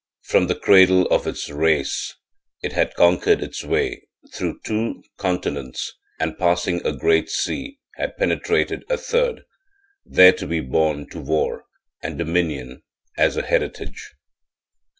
From the cradle of its race it had conquered its way through two continents and passing a great sea had penetrated a third, there to be born to war and dominion as a heritage.